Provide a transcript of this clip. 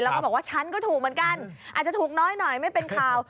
แล้วก็บอกว่าฉันก็ถูกเหมือนกันอาจจะถูกน้อยหน่อยไม่เป็นข่าว